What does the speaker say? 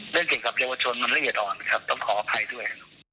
เรื่องเก่งกับเยาวชนมันไม่เหยียดอ่อนครับต้องขออภัยด้วย